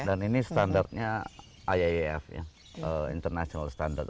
dan ini standarnya iaef international standard